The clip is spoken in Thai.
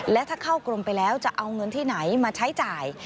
และถ้าเข้ากรมไปแล้วจะเอาเงินที่ไหนมาใช้จ่าย